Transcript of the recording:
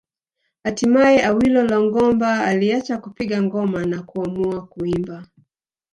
Hatimaye Awilo Longomba aliacha kupiga ngoma na kuamua kuimba